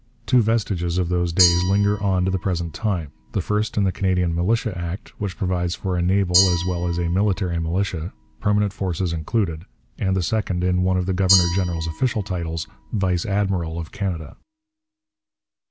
Two vestiges of those days linger on to the present time, the first in the Canadian Militia Act, which provides for a naval as well as a military militia, permanent forces included, and the second in one of the governor general's official titles 'Vice Admiral' of Canada.